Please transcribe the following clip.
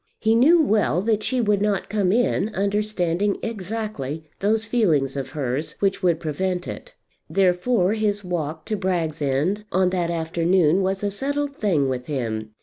He knew well that she would not come in, understanding exactly those feelings of hers which would prevent it. Therefore his walk to Bragg's End on that afternoon was a settled thing with him.